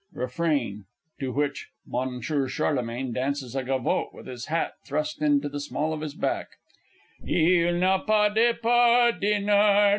"_ Refrain (to which M. CHARLEMAGNE dances a gavotte with his hat thrust into the small of his back). Il n'a pas départ Dinard.